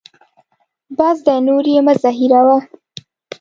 بس دی نور یې مه زهیروه.